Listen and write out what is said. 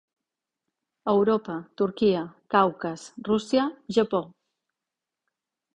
Europa, Turquia, Caucas, Rússia, Japó.